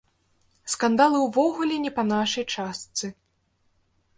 Скандалы ўвогуле не па нашай частцы.